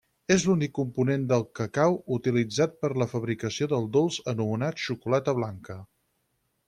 És l'únic component del cacau utilitzat en la fabricació del dolç anomenat xocolata blanca.